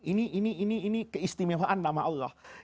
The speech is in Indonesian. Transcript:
nanti ini ini ini ini keistimewaan nama allah itu apa saja